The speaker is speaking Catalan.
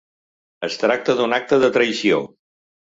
Es tracta d’un acte de traïció.